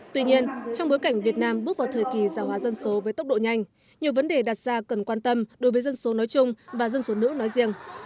tuy nhiên trong bối cảnh việt nam bước vào thời kỳ giả hóa dân số với tốc độ nhanh nhiều vấn đề đặt ra cần quan tâm đối với dân số nói chung và dân số nữ nói riêng